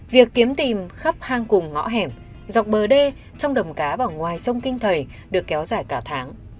việc kiếm tìm khắp hang cùng ngõ hẻm dọc bờ đê trong đầm cá và ngoài sông kinh thầy được kéo dài cả tháng